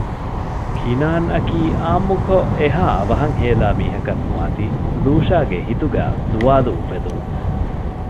ކިނާންއަކީ އާންމުކޮށް އެހާ އަވަހަށް ހޭލާ މީހަކަށް ނުވާތީ ލޫޝާގެ ހިތުގައި ސުވާލު އުފެދުން